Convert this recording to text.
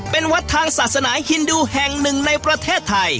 เป็นวัดทางศาสนาฮินดูแห่งหนึ่งในประเทศไทย